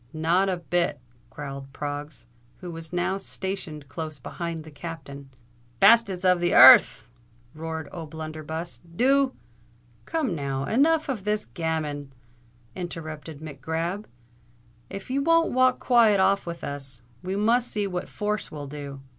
"Not a bit," growled Proggs, who was now stationed close behind the Captain. "Bastes of the ear rth!" roared O'Blunderbuss: "do——" "Come now—enough of this gammon," interrupted Mac Grab. "If you won't walk quiet off with us, we must see what force will do."